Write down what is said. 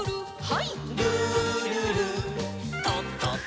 はい。